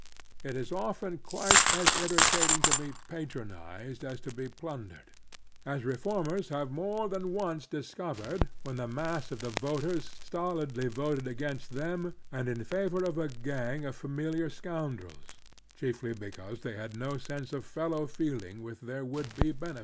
It is often quite as irritating to be * patronized as to be plundered ; as reformers have more than once discovered when the mass of the voters stolidly voted against them, and in favor of a gang of familiar scoundrels, chiefly because they had no sense of fellow feeling with their would be benefactors.